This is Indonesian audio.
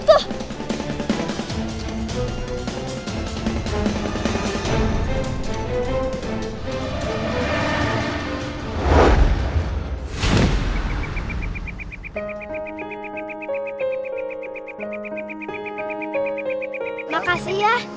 terima kasih ya